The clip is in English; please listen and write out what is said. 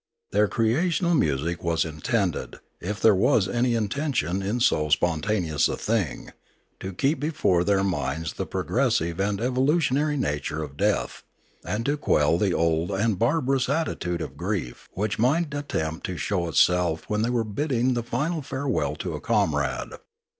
Their creational music was intended, if there was any intention in so spontaneous a thing, to keep before their minds the progressive and evolutionary nature of death, and to Death 383 quell the old and barbarous attitude of grief which might attempt to show itself when they were bidding the final farewell to a comrade.